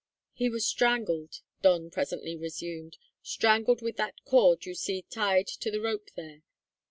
"He was strangled," Don presently resumed, "strangled with that cord you see tied to the rope there.